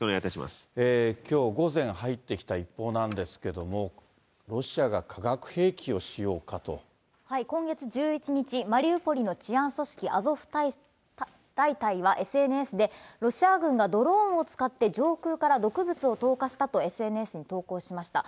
きょう午前、入ってきた一報なんですけれども、今月１１日、マリウポリの治安組織、アゾフ大隊はＳＮＳで、ロシア軍がドローンを使って上空から毒物を投下したとＳＮＳに投稿しました。